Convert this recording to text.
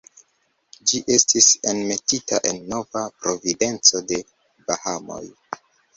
Ĝi estis enmetita en Nova Providenco de Bahamoj.